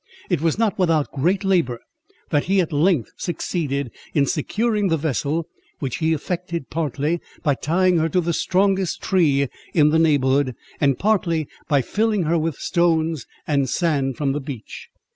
It was not without great labour that he at length succeeded in securing the vessel, which he effected, partly by tying her to the strongest tree in the neighbourhood, and partly by filling her with stones and sand from the beach.